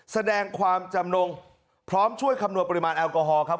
แสดงความจำนงพร้อมช่วยคำนวณปริมาณแอลกอฮอลครับ